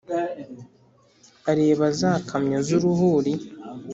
Areba za kamyo z'uruhuri